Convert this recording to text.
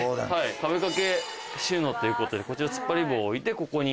壁掛け収納っていうことでこちら突っ張り棒を置いてここに。